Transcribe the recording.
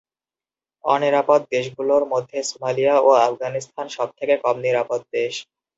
অনিরাপদ দেশগুলোর মধ্যে সোমালিয়া ও আফগানিস্তান সব থেকে কম নিরাপদ দেশ।